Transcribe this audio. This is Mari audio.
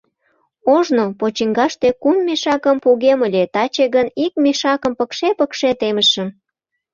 Ожно почиҥгаште кум мешакым погем ыле, таче гын ик мешакым пыкше-пыкше темышым.